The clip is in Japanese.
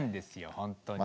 本当にね。